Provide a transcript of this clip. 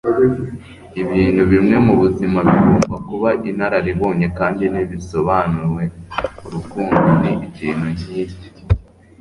ibintu bimwe mubuzima bigomba kuba inararibonye -kandi ntibisobanuwe urukundo ni ikintu nk'iki